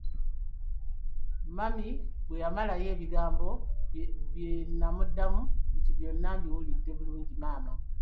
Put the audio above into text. Mami bwe yamalayo ebigambo bye ne mmuddamu nti byonna mbiwulidde bulungi maama.